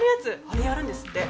あれやるんですって。